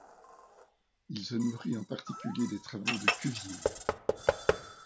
Il se nourrit en particulier des travaux de Cuvier.